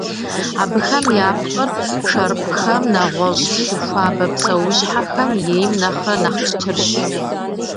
Абыхэм я пкъыр шэрыпӀхэм, нэгъуэщӀ лъы хуабэ псэущхьэхэм ейм нэхърэ нэхъ пщтырщ.